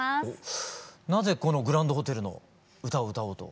なぜこの「グランドホテル」の歌を歌おうと？